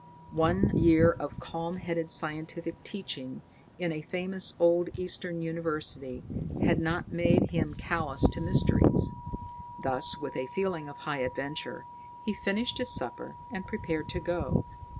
One year of calm headed scientific teaching in a famous old eastern university had not made him callous to mysteries. Thus, with a feeling of high adventure, he finished his supper and prepared to go.